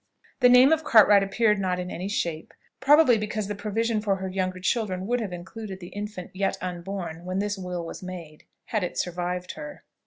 The name of Cartwright appeared not in any shape; probably because the provision for her younger children would have included the infant yet unborn when this will was made, had it survived her.